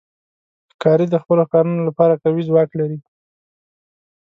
ښکاري د خپلو ښکارونو لپاره قوي ځواک لري.